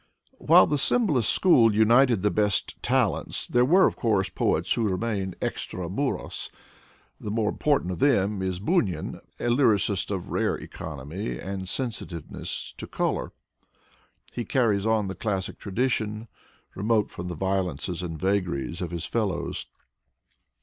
While the symbolist school united the best talents, there were of course poets who remained extra muros. The most important of them is Bunin, a lyricist of rare economy and sensitiveness to color. He carries on the classic tradition, remote from the violences and vagaries of his fellows.